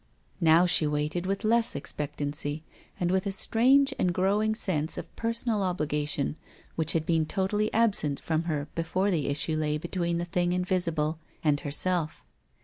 Now she waited, but with less expectancy, and with a strange and growing sense of personal obhgation which had been totally absent from her before the issue lay be tween the thing invisible and herself.